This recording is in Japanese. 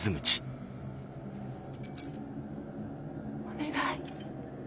お願い